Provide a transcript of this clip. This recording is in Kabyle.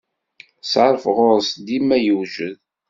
Ṣṣeṛf ɣuṛ-s dima yewjed.